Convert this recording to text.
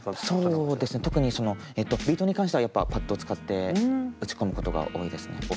そうですね特にビートに関してはやっぱパッドを使って打ち込むことが多いですね。